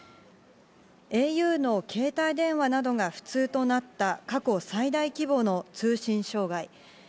ａｕの携帯電話などが不通となった過去最大規模の通信障害。